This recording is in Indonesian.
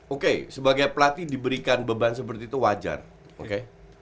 oke sebagai pelatih diberikan beban seperti itu wajar oke